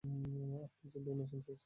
আপনি যে ডোনেশন চেয়েছিলেন।